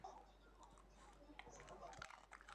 顾客也可以使用密码货币比特币来购买物品。